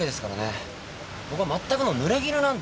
僕はまったくの濡れ衣なんですよ。